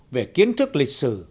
về kiến thức lịch sử